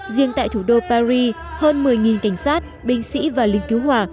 riêng tại thủ đô paris hơn một mươi cảnh sát binh sĩ và lính cứu hỏa